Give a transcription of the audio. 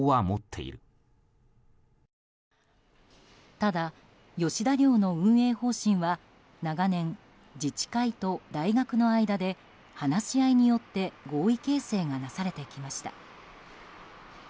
ただ、吉田寮の運営方針は長年、自治会と大学の間で話し合いによって合意形成がなされてきました。